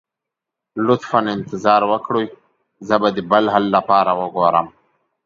لطفا انتظار وکړئ، زه به د بل حل لپاره وګورم.